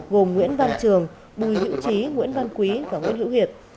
gồm nguyễn văn trường bùi hữu trí nguyễn văn quý và nguyễn hữu hiệp